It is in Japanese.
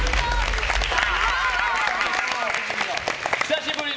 久しぶり。